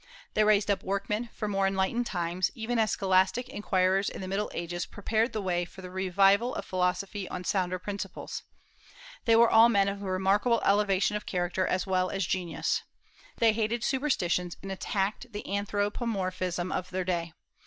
They raised up workmen for more enlightened times, even as scholastic inquirers in the Middle Ages prepared the way for the revival of philosophy on sounder principles. They were all men of remarkable elevation of character as well as genius. They hated superstitions, and attacked the anthropomorphism of their day.